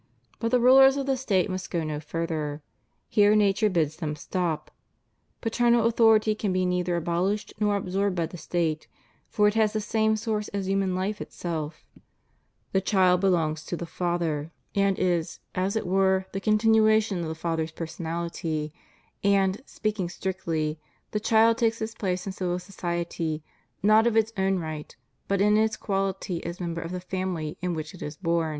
But the rulers of the State must go no further: here nature bids them stop. Paternal authority can be neither abolished nor absorbed by the State; for it has the same source as human life itself, "The child belongs to the father," and 216 CONDITION OF THE WORKING CLASSES. is, as it were, the continuation of the father's personality; and, speaking strictly, the child takes its place in civil society, not of its own right, but in its quahty as member of the family in which it is bom.